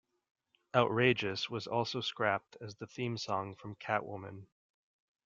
"Outrageous" was also scrapped as the theme song from "Catwoman".